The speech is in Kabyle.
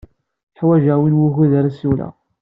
Ḥwajeɣ win wukud ara ssiwleɣ.